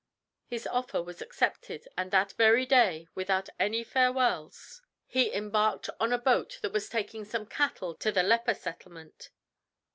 His offer was accepted, and that very day, without any farewells, he embarked on a boat that was taking some cattle to the leper settlement.